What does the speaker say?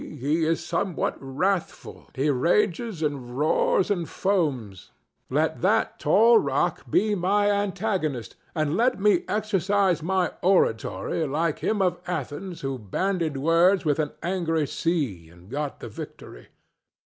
he is somewhat wrathful: he rages and roars and foams,—let that tall rock be my antagonist, and let me exercise my oratory like him of Athens who bandied words with an angry sea and got the victory.